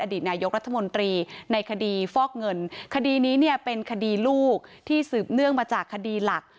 นายกรัฐมนตรีในคดีฟอกเงินคดีนี้เนี่ยเป็นคดีลูกที่สืบเนื่องมาจากคดีหลัก